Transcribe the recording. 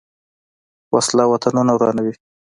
وسله وطنونه ورانوي